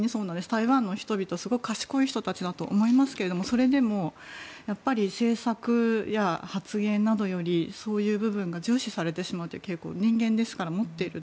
台湾の人々はすごく賢い人たちだと思いますけれどもそれでもやっぱり政策や発言などよりそういう部分が重視されてしまうという傾向人間ですから、持っている。